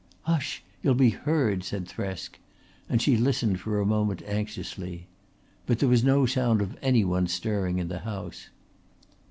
"Hush! You'll be heard," said Thresk, and she listened for a moment anxiously. But there was no sound of any one stirring in the house.